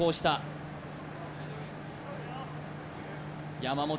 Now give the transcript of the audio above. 山本！